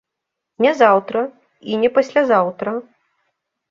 Не заўтра і не паслязаўтра.